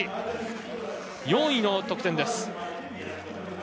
４位の得点です。